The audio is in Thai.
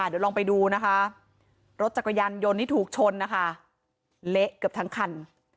เดี๋ยวลองไปดูนะคะรถจักรยานยนต์ที่ถูกชนนะคะเละเกือบทั้งคัน